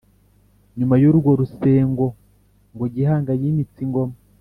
nyuma y'urwo rusengo, ngo gihanga yimitse ingoma